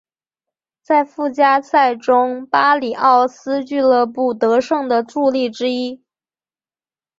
在附加赛中巴里奥斯俱乐部得胜的助力之一。